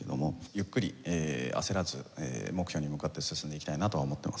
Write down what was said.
ゆっくり焦らず目標に向かって進んでいきたいなとは思っていますね。